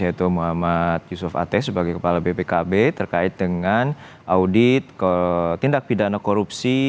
yaitu muhammad yusuf ate sebagai kepala bpkb terkait dengan audit tindak pidana korupsi